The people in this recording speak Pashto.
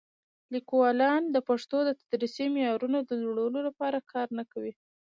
لیکوالان د پښتو د تدریسي معیارونو د لوړولو لپاره کار نه کوي.